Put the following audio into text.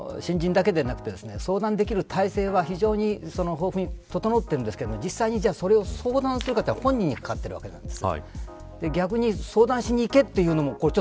新人だけではなくて相談できる体制は非常に豊富に整っていますが実際に相談するかというのは本人にかかっているわけです。